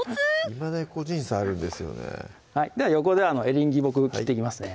いまだに個人差あるんですよねでは横でエリンギ僕切っていきますね